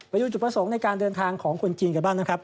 ไปดูจุดประสงค์ในการเดินทางของคนจีนกันบ้างนะครับ